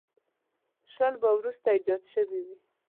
شل به وروسته ایجاد شوي وي.